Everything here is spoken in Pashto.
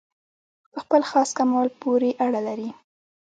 په خپل خاص کمال پوري اړه لري.